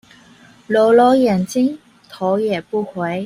揉揉眼睛頭也不回